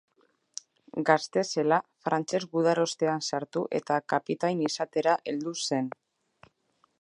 Gazte zela frantses gudarostean sartu eta kapitain izatera heldu zen.